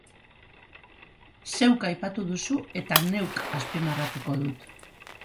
Zeuk aipatu duzu eta neuk azpimarratuko dut.